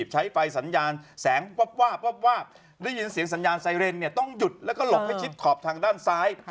ใช้ไฟสัญญาณแสงวาบได้ยินเสียงสัญญาณไซเรนต้องหยุดแล้วก็หลบให้ชิดขอบทางด้านซ้าย